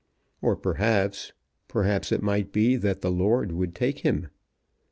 Or perhaps, perhaps, it might be that the Lord would take him.